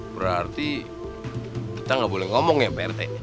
berarti kita gak boleh ngomong ya pak rete